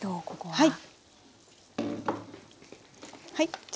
はい。